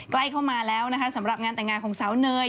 ใกล้เข้ามาแล้วนะคะสำหรับงานแต่งงานของสาวเนย